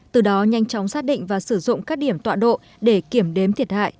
từ đó nhanh chóng xác định và sử dụng các điểm tọa độ để kiểm đếm thiệt hại